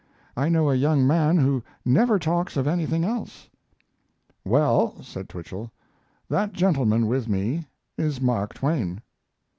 I know a young man who never talks of anything else." "Well," said Twichell, "that gentleman with me is Mark Twain."